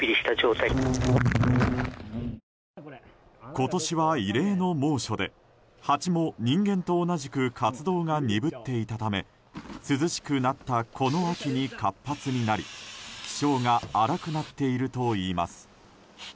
今年は異例の猛暑でハチも、人間と同じく活動が鈍っていたため涼しくなったこの秋に活発になり気性が荒くなっているといいます。